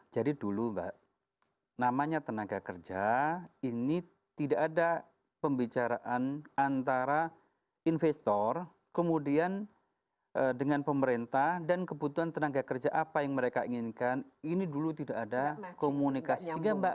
jadi dulu mbak namanya tenaga kerja ini tidak ada pembicaraan antara investor kemudian dengan pemerintah dan kebutuhan tenaga kerja apa yang mereka inginkan ini dulu tidak ada komunikasi